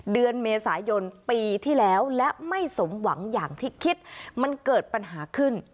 เดือนเมษายนปีที่แล้วและไม่สมหวังอย่างที่คิดมันเกิดปัญหาขึ้น